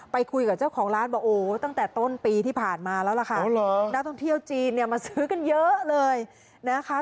ไปคุยกับเจ้าของร้านบอกโอ้ตั้งแต่ต้นปีที่ผ่านมาแล้วล่ะค่ะนักท่องเที่ยวจีนเนี่ยมาซื้อกันเยอะเลยนะคะ